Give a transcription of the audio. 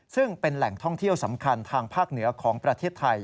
ซึ่งเป็นแหล่งท่องเที่ยวสำคัญทางภาคเหนือของประเทศไทย